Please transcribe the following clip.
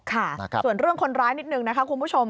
ค่ะส่วนเรื่องคนร้ายนิดนึงนะคะคุณผู้ชม